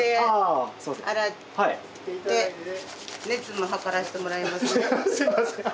熱も測らしてもらいます。